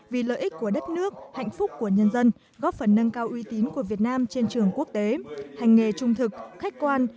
với những nội dung quan trọng như sau